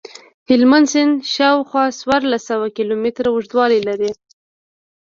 هلمند سیند شاوخوا څوارلس سوه کیلومتره اوږدوالی لري.